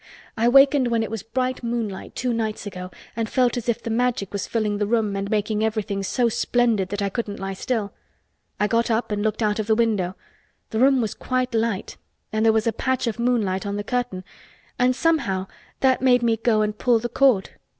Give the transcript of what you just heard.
I wakened when it was bright moonlight two nights ago and felt as if the Magic was filling the room and making everything so splendid that I couldn't lie still. I got up and looked out of the window. The room was quite light and there was a patch of moonlight on the curtain and somehow that made me go and pull the cord.